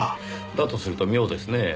だとすると妙ですねぇ。